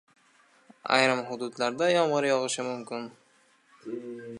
Ayrim hududlarda yomg‘ir yog‘ishi mumkin